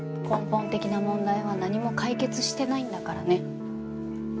根本的な問題は何も解決してないんだからね。